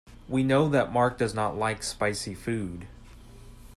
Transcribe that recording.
We know that Mark does not like spicy food.